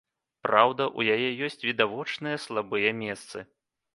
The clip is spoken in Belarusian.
Праўда, у яе ёсць відавочныя слабыя месцы.